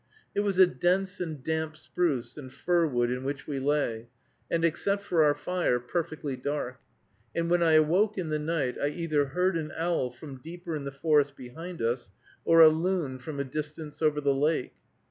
It was a dense and damp spruce and fir wood in which we lay, and, except for our fire, perfectly dark; and when I awoke in the night, I either heard an owl from deeper in the forest behind us, or a loon from a distance over the lake.